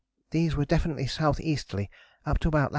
These were definitely S.E.ly. up to about Lat.